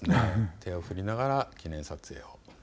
手を振りながら記念撮影。